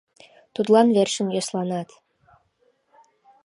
Тудлан верчын йӧсланат.